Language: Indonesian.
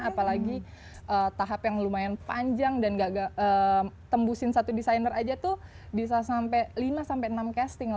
apalagi tahap yang lumayan panjang dan gak tembusin satu desainer aja tuh bisa lima enam casting lapis lapisnya